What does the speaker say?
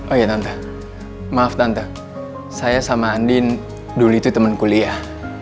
oh ya tante maaf tante saya sama andin dulu itu temen kuliah